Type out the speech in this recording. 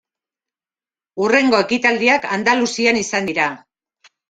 Hurrengo ekitaldiak Andaluzian izan dira.